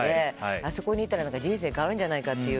あそこにいたら人生変わるんじゃないかという。